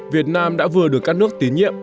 việt nam đã vừa được các nước tín nhiệm